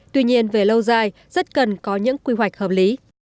tuy nhiên về lâu dài rất cần có những quy hoạch hợp lý